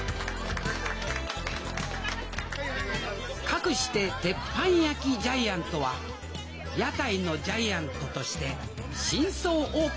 かくして鉄板焼きジャイアントは屋台のジャイアントとして新装オープンしたのであります